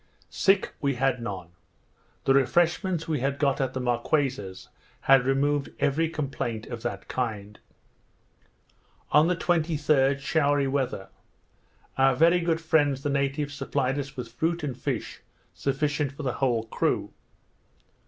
Sick we had none; the refreshments we had got at the Marquesas had removed every complaint of that kind. On the 23d, showery weather. Our very good friends the natives supplied us with fruit and fish sufficient for the whole crew.